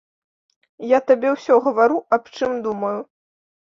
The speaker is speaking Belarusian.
Я табе ўсё гавару, аб чым думаю.